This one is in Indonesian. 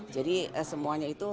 jadi semuanya itu